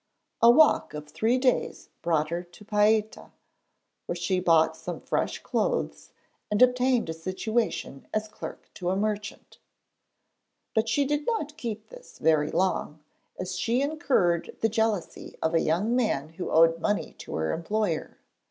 A walk of three days brought her to Paita, where she bought some fresh clothes and obtained a situation as clerk to a merchant. But she did not keep this very long, as she incurred the jealousy of a young man who owed money to her employer.